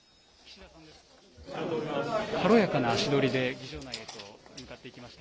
軽やかな足取りで、議場内へと向かっていきました。